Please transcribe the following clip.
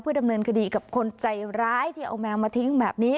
ดำเนินคดีกับคนใจร้ายที่เอาแมวมาทิ้งแบบนี้